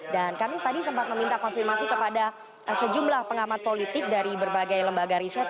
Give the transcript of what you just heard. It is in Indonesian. dan kami tadi sempat meminta konfirmasi kepada sejumlah pengamat politik dari berbagai lembaga riset